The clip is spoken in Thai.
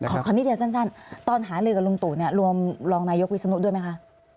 ขอคำนิดเดียวสั้นตอนหาลือกับลุงตู่เนี่ยรวมรองนายกวิศนุด้วยไหมคะ